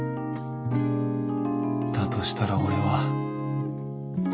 だとしたら俺は